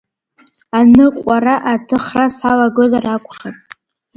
Аныҟәара, аҭыхра салагозар акәхап.